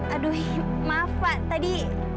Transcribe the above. aduh maaf pak tadi